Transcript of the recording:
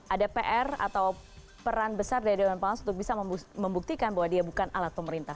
ada pr atau peran besar dari dewan pengawas untuk bisa membuktikan bahwa dia bukan alat pemerintah